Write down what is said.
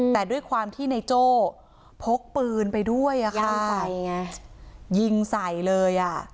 แต่ด้วยความที่ในโจ้พกปืนไปด้วยยิงใส่เลยอ่ะ